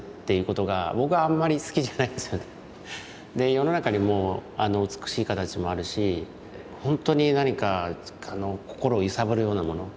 世の中にも美しい形もあるしほんとに何か心を揺さぶるようなもの。